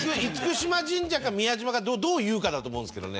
嚴島神社か宮島かどう言うかだと思うんですけどね。